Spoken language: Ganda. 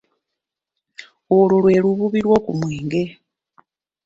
Olwo lwe lububi lw'oku mwenge.